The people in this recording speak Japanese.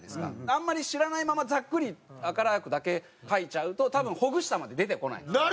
あんまり知らないままざっくり「赤ＬＡＲＫ」だけ書いちゃうと多分「ほぐした」まで出てこないんですよ。